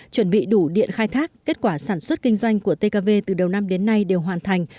chuẩn bị đủ điện khai thác kết quả sản xuất kinh doanh của tkv từ đầu năm đến nay đều hoàn thành